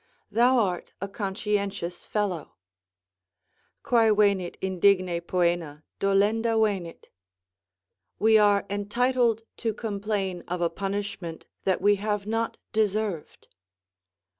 Thou art a conscientious fellow;" "Quae venit indigne poena, dolenda venit:" ["We are entitled to complain of a punishment that we have not deserved."